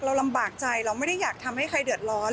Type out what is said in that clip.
ลำบากใจเราไม่ได้อยากทำให้ใครเดือดร้อน